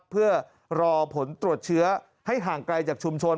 เพื่อรอผลตรวจเชื้อให้ห่างไกลจากชุมชน